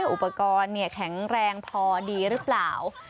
อุปกรณ์แข็งแรงพอดีหรือเปล่า